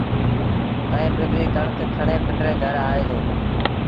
ائيٚݩ پنڊريٚ ڪڻڪ کڻي پنڊري گھر کڻيوهي دو